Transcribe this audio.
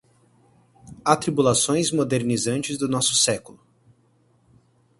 Atribulações modernizantes do nosso século